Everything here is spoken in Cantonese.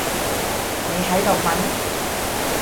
你喺度問？